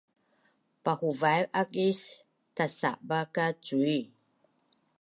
pahuvaiv ak is tatsaba ka cui